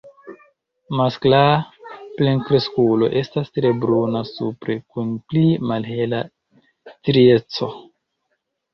Maskla plenkreskulo estas tre bruna supre kun pli malhela strieco.